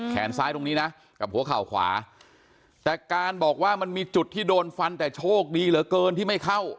ซ้ายตรงนี้นะกับหัวเข่าขวาแต่การบอกว่ามันมีจุดที่โดนฟันแต่โชคดีเหลือเกินที่ไม่เข้า